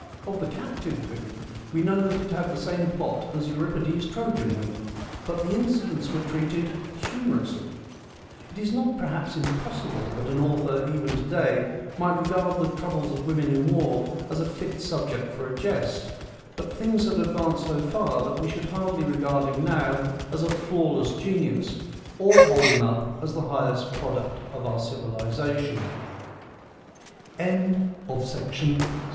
Of the Captive Women we know that it had the same plot as Euripides' Trojan Women, but the incidents were treated — humorously. It is not, perhaps, impossible that an author even to day might regard the troubles of women in war as a fit subject for a jest ; but things have advanced so far that we should hardly regard him now as a flawless genius, or hold him up as the highest product of our civ